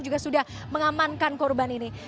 juga sudah mengamankan korban ini